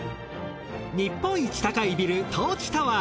日本一高いビルトーチタワー。